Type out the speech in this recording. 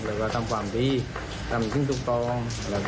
ต้องคือทำความดีต้องกินถึงตรง